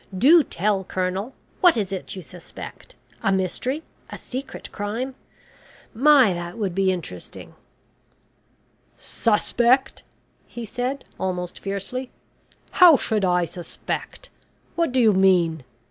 "Do tell, Colonel. What is it you suspect? A mystery a secret crime? My, that would be interesting." "Suspect!" he said, almost fiercely. "How should I suspect? What do you mean?